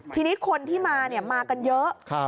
ทีนี้คนที่มามากันเยอะ